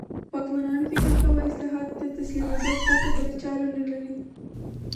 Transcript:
واکمنانو فکر کاوه اصلاحاتو ته تسلیمېدو پرته بله چاره نه لري.